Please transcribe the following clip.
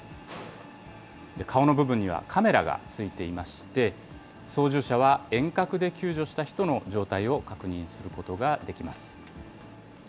顔の部分にはカメラがついていまして、操縦者は遠隔で救助した人の状態を確認することができます。